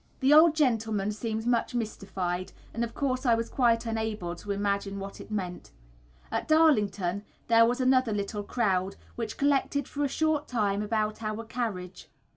The old gentleman seemed much mystified, and of course I was quite unable to imagine what it meant. At Darlington there was another little crowd, which collected for a short time about our carriage.